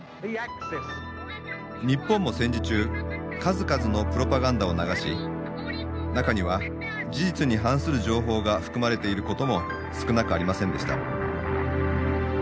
日本も戦時中数々のプロパガンダを流し中には事実に反する情報が含まれていることも少なくありませんでした。